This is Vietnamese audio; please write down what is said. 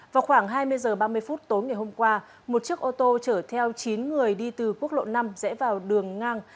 vào khoảng hai mươi h ba mươi phút tối ngày hôm qua một chiếc ô tô chở theo chín người đi từ quốc lộ năm rẽ vào đường ngang